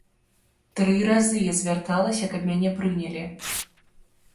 Тры разы я звярталася, каб мяне прынялі.